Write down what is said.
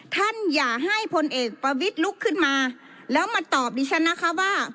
อย่าให้พลเอกประวิทย์ลุกขึ้นมาแล้วมาตอบดิฉันนะคะว่า